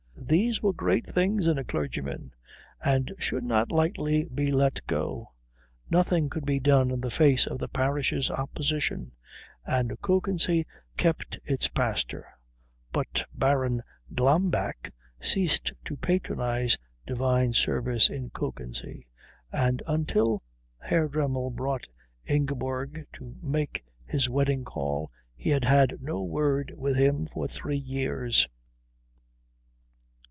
These were great things in a clergyman, and should not lightly be let go. Nothing could be done in the face of the parish's opposition, and Kökensee kept its pastor; but Baron Glambeck ceased to patronise Divine Service in Kökensee, and until Herr Dremmel brought Ingeborg to make his wedding call he had had no word with him for three years.